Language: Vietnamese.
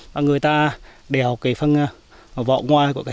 và người ta đèo phần vỏ ngoài